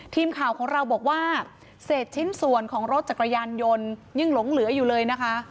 ทีมข่าวของเราบอกว่าเศษชิ้นส่วนของรถจักรยานยนต์ยังหลงเหลืออยู่เลยนะคะ